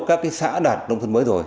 các xã đạt nông thôn mới rồi